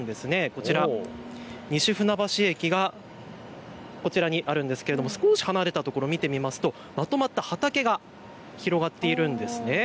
こちら、西船橋駅がこちらにあるんですが少し離れたところを見てみますとまとまった畑が広がっているんです。